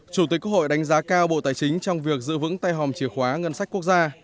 chủ tịch quốc hội đánh giá cao bộ tài chính trong việc giữ vững tay hòm chìa khóa ngân sách quốc gia